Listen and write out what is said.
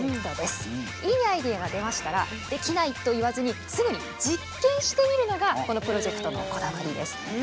いいアイデアが出ましたら「できない」と言わずにすぐに実験してみるのがこのプロジェクトのこだわりです。